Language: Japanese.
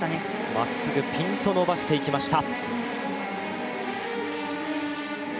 まっすぐ、ピンと伸ばしていきました。